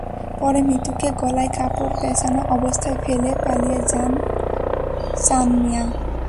পরে মিতুকে গলায় কাপড় পেঁচানো অবস্থায় ফেলে পালিয়ে যান চান মিয়া।